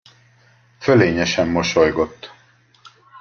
Fölényesen mosolygott.